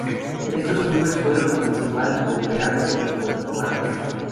Estos clubes fueron Municipal Puente Alto y Puerto Varas.